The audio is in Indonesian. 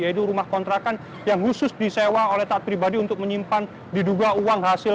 yaitu rumah kontrakan yang khusus disewa oleh taat pribadi untuk menyimpan diduga uang hasil